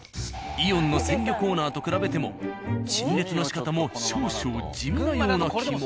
「イオン」の鮮魚コーナーと比べても陳列のしかたも少々地味なような気も。